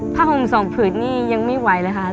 ผ้าห่มสองผืดนี่ยังไม่ไหวเลยค่ะ